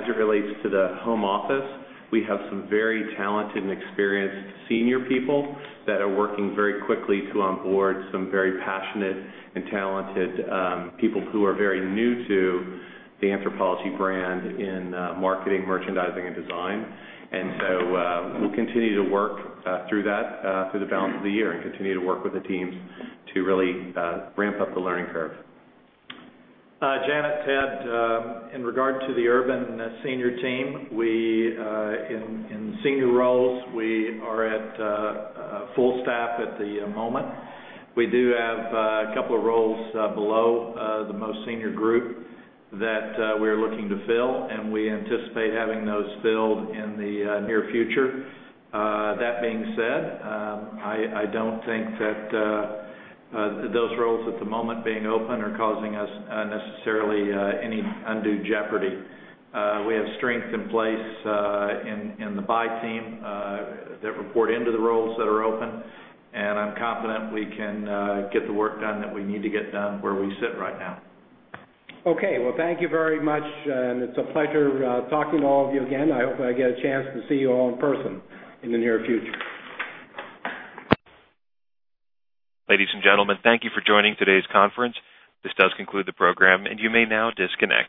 As it relates to the home office, we have some very talented and experienced senior people that are working very quickly to onboard some very passionate and talented people who are very new to the Anthropologie brand in marketing, merchandising, and design. We'll continue to work through that through the balance of the year and continue to work with the teams to really ramp up the learning curve. Janet, Ted, in regard to the Urban senior team, in senior roles, we are at full staff at the moment. We do have a couple of roles below the most senior group that we are looking to fill, and we anticipate having those filled in the near future. That being said, I don't think that those roles at the moment being open are causing us necessarily any undue jeopardy. We have strength in place in the buy team that report into the roles that are open, and I'm confident we can get the work done that we need to get done where we sit right now. Thank you very much. It's a pleasure talking to all of you again. I hope I get a chance to see you all in person in the near future. Ladies and gentlemen, thank you for joining today's conference. This does conclude the program, and you may now disconnect.